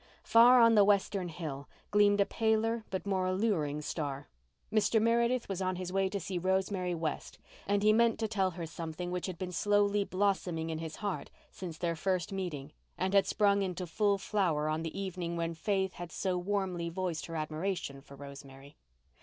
Far on the western hill gleamed a paler but more alluring star. Mr. Meredith was on his way to see Rosemary West, and he meant to tell her something which had been slowly blossoming in his heart since their first meeting and had sprung into full flower on the evening when Faith had so warmly voiced her admiration for Rosemary.